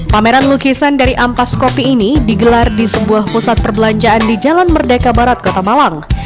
pameran lukisan dari ampas kopi ini digelar di sebuah pusat perbelanjaan di jalan merdeka barat kota malang